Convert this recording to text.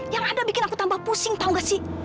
yang ada bikin aku tambah pusing tahu gak sih